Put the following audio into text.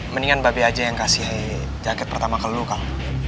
mendingan babi aj yang kasih ceket pertama ke lu kak